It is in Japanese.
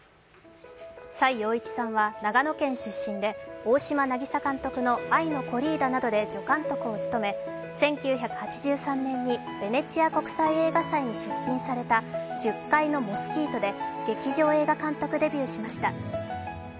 崔洋一監督さんは長野県出身で大島渚監督の「愛のコリーダ」などで助監督を務め、１９８３年にベネチア国際映画祭に出品された「十階のモスキート」で劇場映画監督デビューしました。